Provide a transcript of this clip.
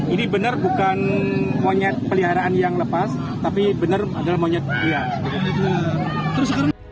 ini benar bukan monyet peliharaan yang lepas tapi benar adalah monyet dia